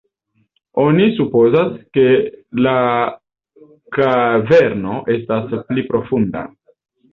Oni supozas, ke la kaverno estas pli profunda.